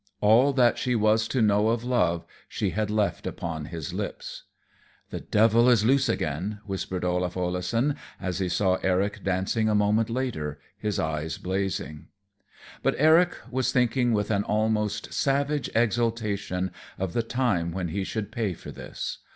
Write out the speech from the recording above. All that she was to know of love she had left upon his lips. "The devil is loose again," whispered Olaf Oleson, as he saw Eric dancing a moment later, his eyes blazing. But Eric was thinking with an almost savage exultation of the time when he should pay for this.